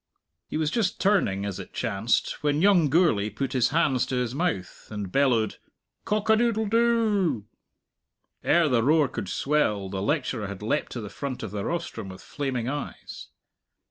He was just turning, as it chanced, when young Gourlay put his hands to his mouth and bellowed "Cock a doodle do!" Ere the roar could swell, the lecturer had leapt to the front of the rostrum with flaming eyes.